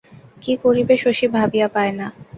কী করিবে শশী ভাবিয়া পায় না।